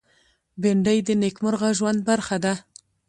بېنډۍ د نېکمرغه ژوند برخه ده